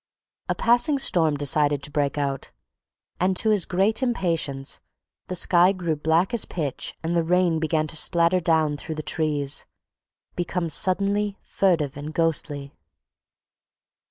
A passing storm decided to break out, and to his great impatience the sky grew black as pitch and the rain began to splatter down through the trees, become suddenly furtive and ghostly.